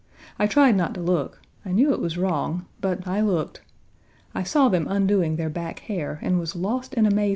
I tried not to look; I knew it was wrong, but I looked. I saw them undoing their back hair and was lost in amazement 1.